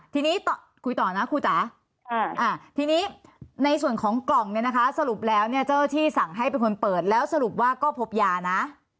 ทีนี้คุยต่อนะครูจ๋าทีนี้ในส่วนของกล่องเนี่ยนะคะสรุปแล้วเนี่ยเจ้าที่สั่งให้เป็นคนเปิดแล้วสรุปว่าก็พบยานะ